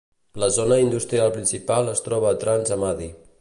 La zona industrial principal es troba a Trans Amadi.